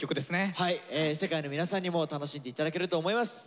はい世界の皆さんにも楽しんで頂けると思います。